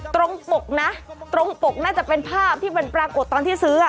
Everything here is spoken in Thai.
ปกนะตรงปกน่าจะเป็นภาพที่มันปรากฏตอนที่ซื้อ